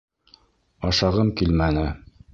Ашағым килмәне.